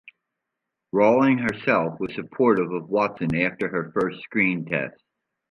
Rowling herself was supportive of Watson after her first screen test.